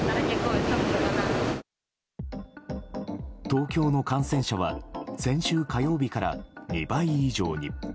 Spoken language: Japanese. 東京の感染者は先週火曜日から２倍以上に。